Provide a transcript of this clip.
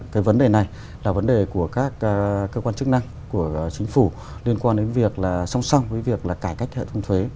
cái vấn đề này là vấn đề của các cơ quan chức năng của chính phủ liên quan đến việc là song song với việc là cải cách hệ thống thuế